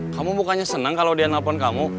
kamu bukannya senang kalau dia nelfon kamu